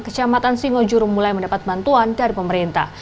kecamatan singojuru mulai mendapat bantuan dari pemerintah